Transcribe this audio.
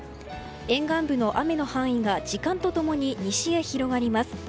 沿岸部の雨の範囲が時間とともに西へ広がります。